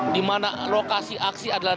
di mana lokasi aksi adalah